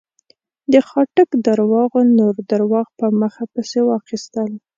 د خاټک درواغو نور درواغ په مخه پسې واخيستل.